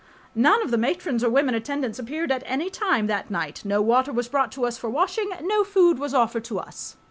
. None of the matrons or women attendants appeared at any time that night. No water was brought to us for washing, no food was offered to us